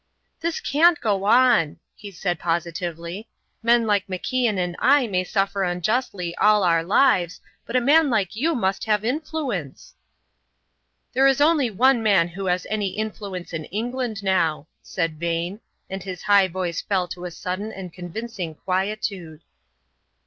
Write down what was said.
"This can't go on," he said, positively. "Men like MacIan and I may suffer unjustly all our lives, but a man like you must have influence." "There is only one man who has any influence in England now," said Vane, and his high voice fell to a sudden and convincing quietude.